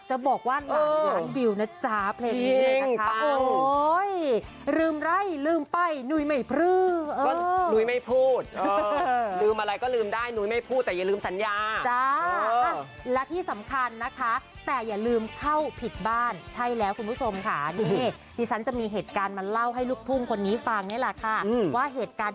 จะบอกว่าหลานวิวนะจ๊ะเพลงนี้เลยค่ะ